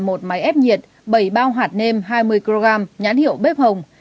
một máy ép nhiệt bảy bao hạt nem hai mươi kg nhãn hiệu bếp hồng